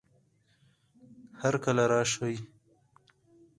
هرکله راشئ!